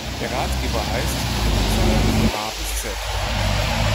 Der Ratgeber heißt: Jerusalem von A bis Z.